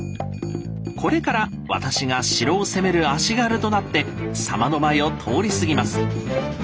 これから私が城を攻める足軽となって狭間の前を通り過ぎます。